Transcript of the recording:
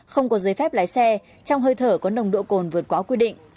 không có giấy phép lái xe trong hơi thở có nồng độ cồn vượt quá quy định